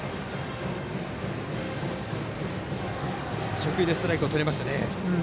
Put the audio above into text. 初球、ストライクをとりました。